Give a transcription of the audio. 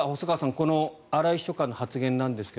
この荒井秘書官の発言なんですが